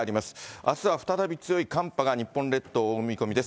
あすは再び強い寒波が日本列島を覆う見込みです。